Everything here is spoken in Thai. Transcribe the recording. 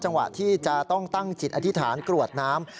จังหวะที่จะต้องตั้งจิตอธิษฐานกรวดน้ำ